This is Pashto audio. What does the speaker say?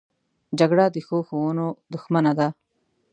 جګړه د ښو ښوونو دښمنه ده